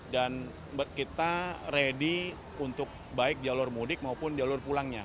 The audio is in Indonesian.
dan kita ready untuk baik jalur modik maupun jalur pulangnya